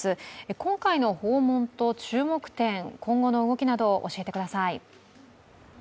今回の訪問と注目点、今後の動きなどを教えてください。